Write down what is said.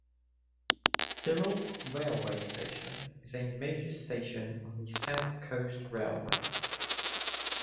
Thirroul railway station is a major station on the South Coast railway.